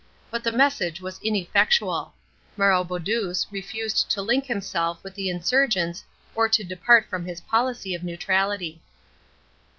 But the message was ineffectual. Maroboduus refused to link himself with the insurgents or to depart from his policy of neutrality.